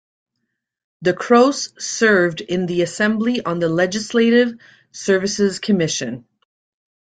DeCroce served in the Assembly on the Legislative Services Commission.